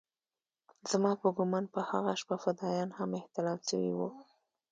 زما په ګومان په هغه شپه فدايان هم احتلام سوي وو.